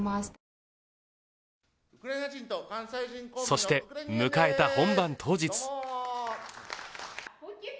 そして迎えた、本番当日。